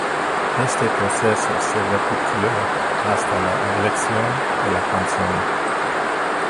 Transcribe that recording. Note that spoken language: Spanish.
Este proceso se repitió hasta la elección de la canción.